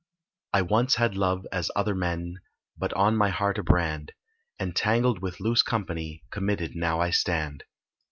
I once had love, as other men, But on my heart a brand; Entangled with loose company, Committed now I stand.